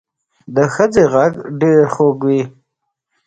د ښځې غږ ډېر خوږ وي